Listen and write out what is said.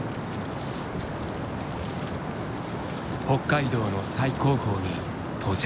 北海道の最高峰に到着。